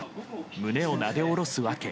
胸をなでおろす訳。